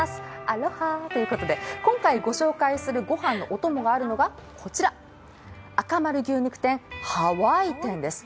アロハということで、今回ご紹介するご飯のお供があるのは、こちら、あかまる牛肉店ハワイ店です。